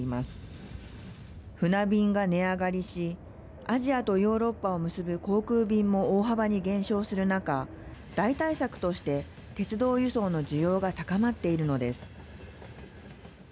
船便が値上がりしアジアとヨーロッパを結ぶ航空便も大幅に減少するなか代替策として鉄道輸送の需要が高まっているのです。